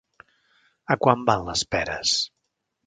A quant van les peres?